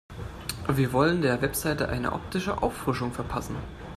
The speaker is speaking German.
Wir wollen der Website eine optische Auffrischung verpassen.